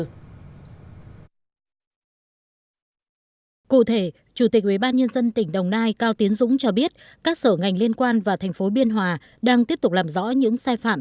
cụ thể chủ tịch ubnd tỉnh đồng nai cao tiến dũng cho biết các sở ngành liên quan và thành phố biên hòa đang tiếp tục làm rõ những sai phạm